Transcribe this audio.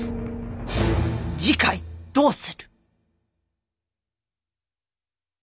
次回どうする。